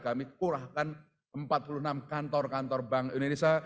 kami kurahkan empat puluh enam kantor kantor bank indonesia